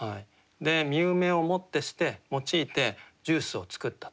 実梅をもってして用いてジュースを作ったと。